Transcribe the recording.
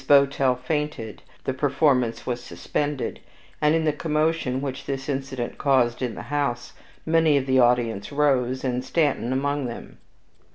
Bowtell fainted, the performance was suspended, and, in the commotion which this incident caused in the house, many of the audience rose, and Stanton among them.